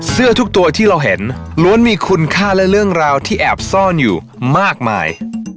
เสื้อทุกตัวที่เราเห็นล้วนมีคุณค่าและเรื่องราวที่แอบซ่อนอยู่มากมาย